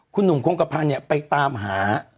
คุณหนุ่มโคงกะพันธุ์เนี่ยไปตามหา